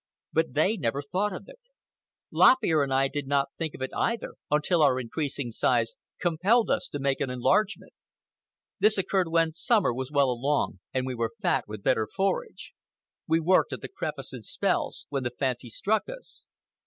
But they never thought of it. Lop Ear and I did not think of it either until our increasing size compelled us to make an enlargement. This occurred when summer was well along and we were fat with better forage. We worked at the crevice in spells, when the fancy struck us.